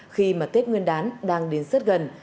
khi mà tết nguyên đán đang đến rất gần